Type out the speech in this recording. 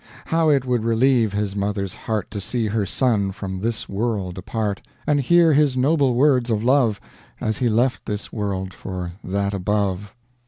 How it would relieve his mother's heart To see her son from this world depart, And hear his noble words of love, As he left this world for that above.